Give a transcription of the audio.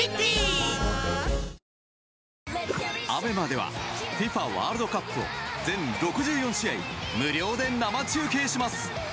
ＡＢＥＭＡではＦＩＦＡワールドカップを全６４試合無料で生中継します。